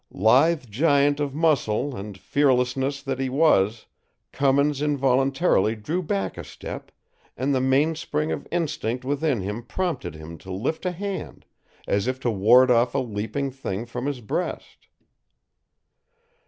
Lithe giant of muscle and, fearlessness that he was, Cummins involuntarily drew back a step, and the mainspring of instinct within him prompted him to lift a hand, as if to ward off a leaping thing from his breast.